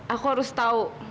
aku harus tau